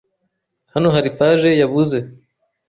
Hano hari page yabuze.